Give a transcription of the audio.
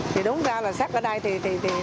thì đúng ra là xét ở đây thì an toàn thêm lần nữa